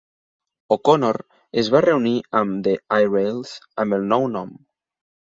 O'Connor es va reunir amb The I-Rails amb el nou nom.